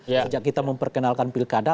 sejak kita memperkenalkan pilkada